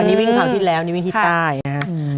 อันนี้วิ่งทางที่แล้วอันนี้วิ่งที่ใต้ค่ะอืม